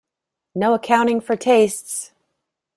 No accounting for tastes!